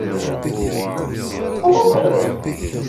Tesṛuḥ-itt?